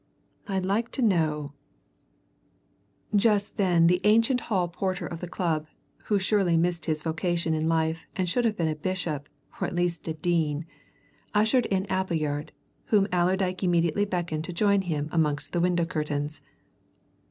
I'd like to know " Just then the ancient hall porter of the club (who surely missed his vocation in life, and should have been a bishop, or at least a dean) ushered in Appleyard, whom Allerdyke immediately beckoned to join him amongst the window curtains.